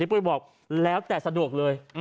อยู่บ็วกแล้วแต่สะดวกเลย